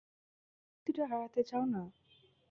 তুমি অনুভূতিটা হারাতে চাউ না?